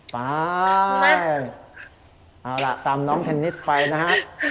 ไปเอาล่ะตามน้องเทนนิสไปนะฮะ